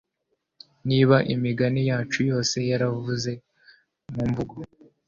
niba imigani yacu yose yaravuzwe mumvugo